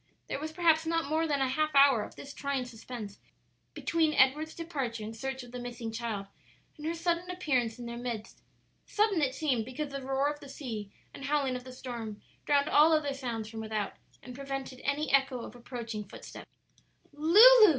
'" There was perhaps not more than a half hour of this trying suspense between Edward's departure in search of the missing child and her sudden appearance in their midst: sudden it seemed because the roar of the sea and howling of the storm drowned all other sounds from without, and prevented any echo of approaching footsteps. "Lulu!"